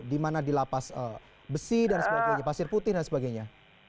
di mana di lapas besi dan sebagainya pasir putih dan sebagainya